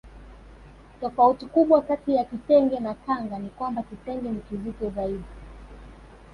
Tofauti kubwa kati ya kitenge na kanga ni kwamba kitenge ni kizito zaidi